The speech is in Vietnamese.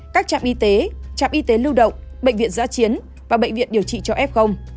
các trạm y tế trạm y tế lưu động bệnh viện giã chiến và bệnh viện điều trị cho f